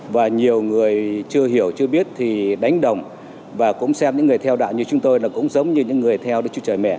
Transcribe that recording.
và nhiều người chưa hiểu chưa biết thì đánh đồng và cũng xem những người theo đạo như chúng tôi là cũng giống như những người theo đến chú trời mẹ